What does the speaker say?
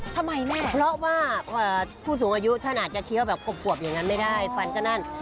ทำไมแม่เพราะว่าผู้สูงอายุท่านอาจจะเคี้ยวแบบกวบอย่างนั้นไม่ได้ฟันก็นั่น